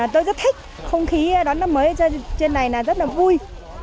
tôi rất thích không khí đón năm mới trên này là rất là vui